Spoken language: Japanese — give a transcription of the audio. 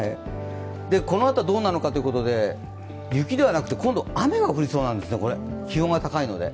このあとどうなのかということで、雪ではなくて、今度、雨が降りそうなんです、気温が高いので。